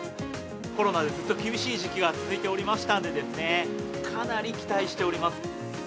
コロナでずっと厳しい時期が続いておりましたんでですね、かなり期待しております。